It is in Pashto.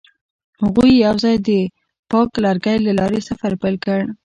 هغوی یوځای د پاک لرګی له لارې سفر پیل کړ.